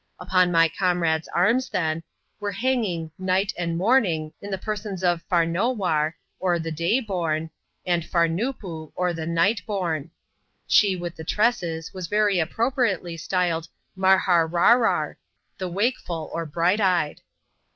Upon my comrade's arms, then, were hanging Night and Morning, in the persons of Farnowar, or the Day bom, and Famoopoo, or the Night born. She with the tresses was very appropriately styled Marhar Rarrar, the Wakeful, or Bright eyed.